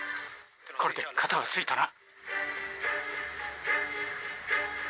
「これでカタはついたな」。